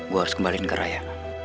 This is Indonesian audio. gua harus kembaliin ke raya